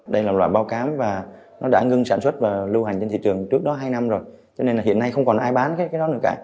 đây là loại bao cám và nó đã ngưng sản xuất và lưu hành trên thị trường trước đó hai năm rồi cho nên là hiện nay không còn ai bán hết cái đó nữa cả